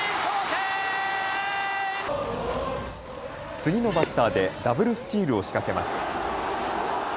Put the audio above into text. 次のバッターでダブルスチールを仕掛けます。